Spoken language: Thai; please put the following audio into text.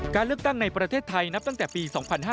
การเลือกตั้งในประเทศไทยนับตั้งแต่ปี๒๕๕๙